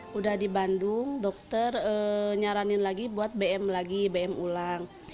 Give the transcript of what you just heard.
sudah di bandung dokter nyaranin lagi buat bm lagi bm ulang